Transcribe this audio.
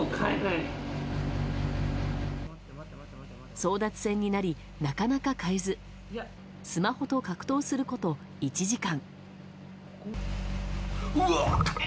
争奪戦になり、なかなか買えずスマホと格闘すること、１時間。